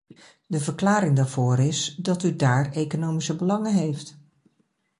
De verklaring daarvoor is dat u daar economische belangen heeft.